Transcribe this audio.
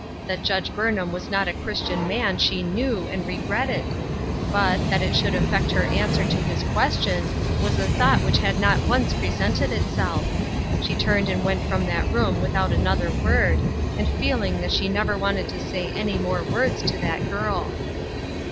That Judge Burnham was not a Christian man she knew, and regretted. But, that it should affect her answer to his question was a thought wliich had not once presented itself. She turned and went out from that room without another Shadowed Joys, 249 word, and feeling that she nevei wanted to say any more words to that girl.